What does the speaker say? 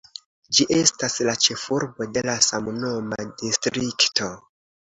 Ĝi estas la ĉefurbo de la samnoma distrikto.